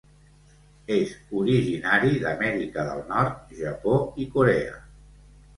És originari d'Amèrica del Nord, Japó i Corea.